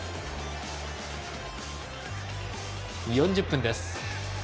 ４０分です。